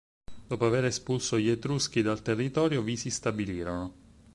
Dopo aver espulso gli Etruschi dal territorio vi si stabilirono.